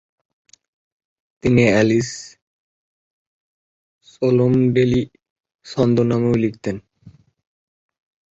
তিনি Alice Cholmondeley ছদ্মনামেও লিখতেন।